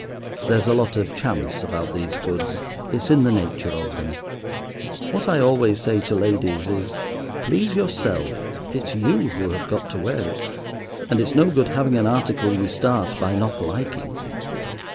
There's a lot of chance about these goods, it's in the nature of them. What I always say to ladies is—'Please yourself, it's you who have got to wear it; and it's no good having an article you start by not liking.